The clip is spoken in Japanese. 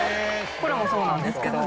これもそうなんですけど。